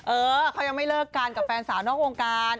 เออเขายังไม่เลิกกันกับแฟนสาวนอกวงการ